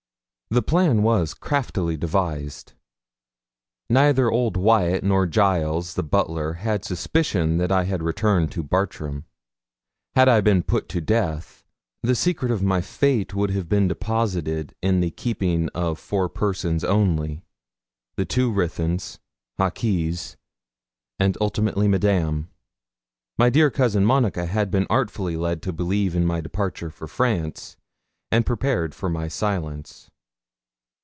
The plan was craftily devised. Neither old Wyat nor Giles, the butler, had a suspicion that I had returned to Bartram. Had I been put to death, the secret of my fate would have been deposited in the keeping of four persons only the two Ruthyns, Hawkes, and ultimately Madame. My dear cousin Monica had been artfully led to believe in my departure for France, and prepared for my silence.